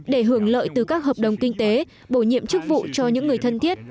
để hưởng lợi từ các hợp đồng kinh tế bổ nhiệm chức vụ cho những người thân thiết